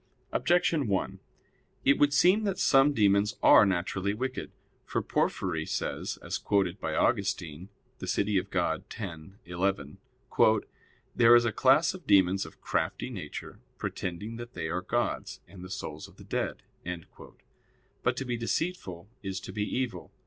Objection 1: It would seem that some demons are naturally wicked. For Porphyry says, as quoted by Augustine (De Civ. Dei x, 11): "There is a class of demons of crafty nature, pretending that they are gods and the souls of the dead." But to be deceitful is to be evil.